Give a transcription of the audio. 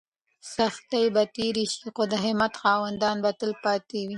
سختۍ به تېرې شي خو د همت خاوندان به تل پاتې وي.